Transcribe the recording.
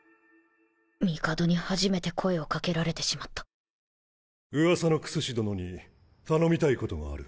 帝に初めて声をかけられてしまった噂の薬師殿に頼みたいことがある。